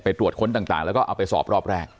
ตรวจค้นต่างแล้วก็เอาไปสอบรอบแรก